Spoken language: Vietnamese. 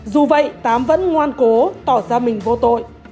dù vậy tám vẫn ngoan cố tỏ ra mình vô tội